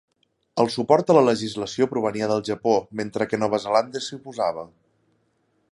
El suport a la legislació provenia del Japó, mentre que Nova Zelanda s'hi oposava.